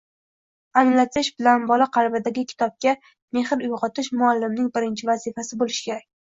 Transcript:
anglatish bilan bola qalbida kitobga mehr uyg‘otish muallimning birinchi vazifasi bo‘lishi kerak.